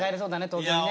東京にね。